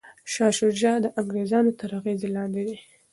شاه شجاع د انګریزانو تر اغیز لاندې دی.